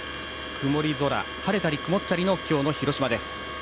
曇り空、晴れたり曇ったりの今日の広島です。